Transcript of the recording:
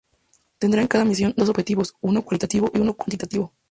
Tendrán en cada misión, dos objetivos: uno cualitativo y uno cuantitativo.